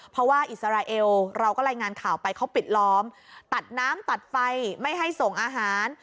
เพราะว่าอิสราเอลเราก็รายงานข่าวไปเขาปิดล้อมตัดน้ำตัดไฟไม่ให้ส่งอาหาร